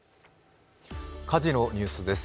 火事のニュースです。